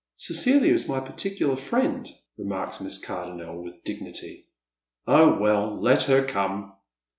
" Cecilia is my paiticular friend," remarks Miss Cardonnel, with dignity. " Oh, well, let her come."